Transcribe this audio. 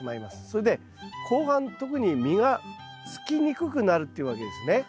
それで後半特に実がつきにくくなるっていうわけですね。